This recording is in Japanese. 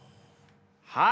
はい。